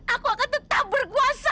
aku akan tetap berkuasa